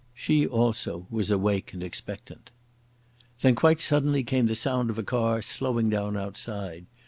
She also was awake and expectant. Then quite suddenly came the sound of a car slowing down outside.